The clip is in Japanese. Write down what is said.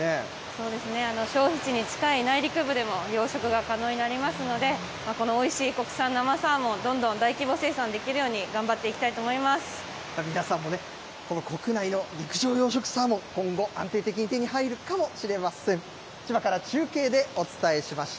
そうですね、消費地に近い内陸部でも養殖が可能になりますので、このおいしい国産生サーモン、どんどん大規模生産できるように皆さんもね、この国内の陸上養殖サーモン、今後、安定的に手に入るかもしれません。